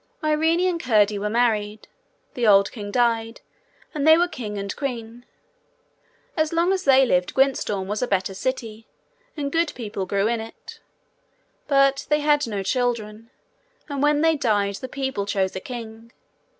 Irene and Curdie were married. The old king died, and they were king and queen. As long as they lived Gwyntystorm was a better city, and good people grew in it. But they had no children, and when they died the people chose a king.